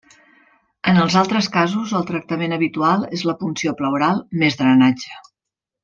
En els altres casos el tractament habitual és la punció pleural més drenatge.